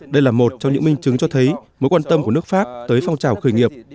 đây là một trong những minh chứng cho thấy mối quan tâm của nước pháp tới phong trào khởi nghiệp